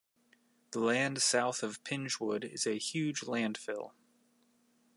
The land south of Pingewood is a huge landfill.